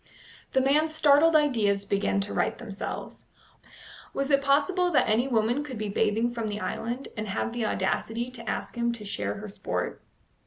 The man's startled ideas began to right themselves. Was it possible that any woman could be bathing from the island, and have the audacity to ask him to share her sport?